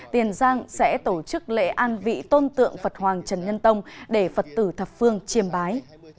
tiền giang sẽ tổ chức lễ an vị tôn tượng phật hoàng trần nhân tông để phật tử thập phương chiêm bái